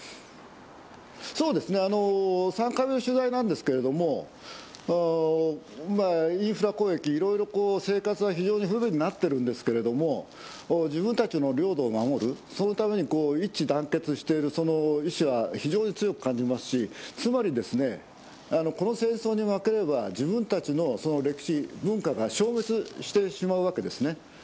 ３回目の取材なんですけどもインフラ攻撃で、いろいろ生活は非常に不便になっていますが自分たちの領土を守るために一致団結している意思は非常に強く感じますしつまり、この戦争に負ければ自分たちの歴史や文化が消滅してしまうわけです。